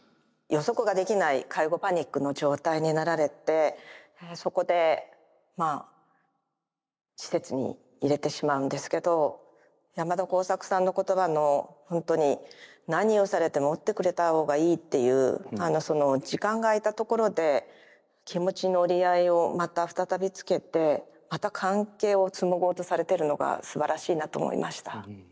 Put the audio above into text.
予測ができない介護パニックの状態になられてそこで施設に入れてしまうんですけど山田耕作さんの言葉の本当に何をされてもおってくれた方がいいっていう時間が空いたところで気持ちの折り合いをまた再びつけてまた関係を紡ごうとされてるのがすばらしいなと思いました。